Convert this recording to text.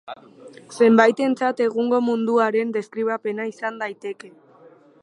Zenbaitentzat egungo munduaren deskribapena izan daiteke.